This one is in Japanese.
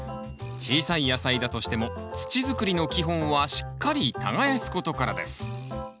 小さい野菜だとしても土づくりの基本はしっかり耕すことからです